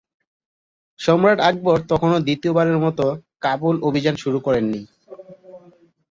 সম্রাট আকবর তখনও দ্বিতীয়বারের মত কাবুল অভিযান শুরু করেন নি।